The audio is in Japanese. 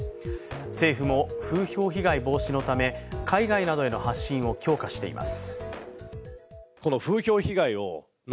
政府も風評被害防止のため、海外などへの発信を強化しています。